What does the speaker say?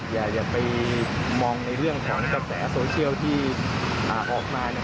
อย่าไปมองในเรื่องแถวนั้นกระแสโซเชียลที่ออกมา